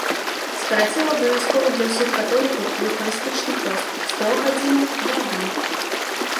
Скараціў абавязковы для ўсіх католікаў еўхарыстычны пост з трох гадзінаў да адной.